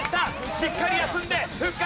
しっかり休んで復活！